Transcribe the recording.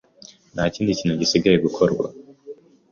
Nta kindi kintu gisigaye gukorwa.